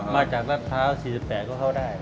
มาจากมะพร้าว๔๘ก็เข้าได้